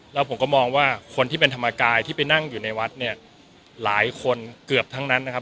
แล้วผมก็มองว่าคนที่เป็นธรรมกายที่ไปนั่งอยู่ในวัดเนี่ยหลายคนเกือบทั้งนั้นนะครับ